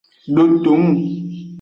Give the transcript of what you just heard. Dotong.